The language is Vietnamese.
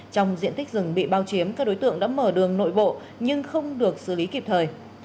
trong diện tích rừng bị bao chiếm các đối tượng đã mở đường nội bộ nhưng không được xử lý kịp thời